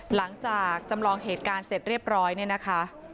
หลังจากจำลองเหตุการณ์เสร็จเรียบร้อยเนี่ยนะคะ